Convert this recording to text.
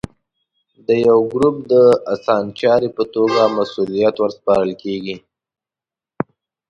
د یوه ګروپ د اسانچاري په توګه مسوولیت ور سپارل کېږي.